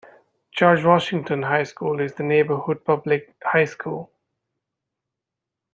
George Washington High School is the neighborhood public high school.